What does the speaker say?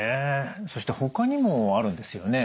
そしてほかにもあるんですよね？